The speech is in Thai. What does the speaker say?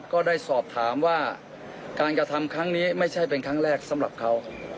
ก็ได้สอบถามว่าการกระทำครั้งนี้ไม่ใช่เป็นครั้งแรกสำหรับเขา